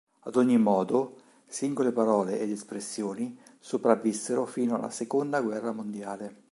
Ad ogni modo, singole parole ed espressioni sopravvissero fino alla seconda guerra mondiale.